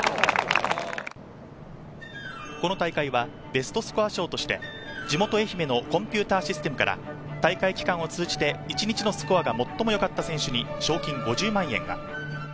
この大会はベストスコア賞として地元・愛媛のコンピューターシステムから大会期間を通じて一日のスコアが最も良かった選手に賞金５０万円が。